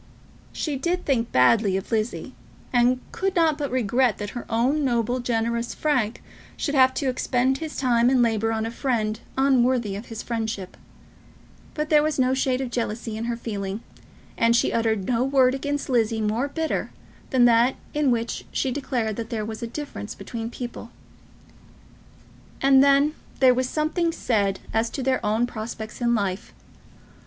She did think badly of Lizzie, and could not but regret that her own noble, generous Frank should have to expend his time and labour on a friend unworthy of his friendship; but there was no shade of jealousy in her feeling, and she uttered no word against Lizzie more bitter than that in which she declared that there was a difference between people. And then there was something said as to their own prospects in life.